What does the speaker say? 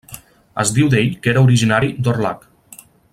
Es diu d'ell que era originari d'Orlhac.